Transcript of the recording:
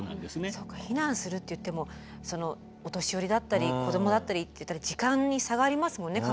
そっか避難するっていってもお年寄りだったり子どもだったりっていったら時間に差がありますもんね